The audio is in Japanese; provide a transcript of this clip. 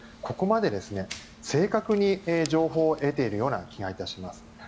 ここまで正確に情報を得ているような気がします。